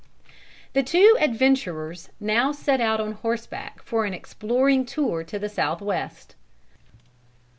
The two adventurers now set out on horseback for an exploring tour to the south west.